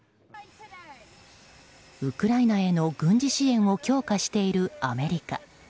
ウクライナへの軍事支援を強化しているアメリカ。